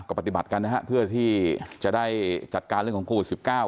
ก็ปฏิบัติกันนะฮะเพื่อที่จะได้จัดการเรื่องของโควิด๑๙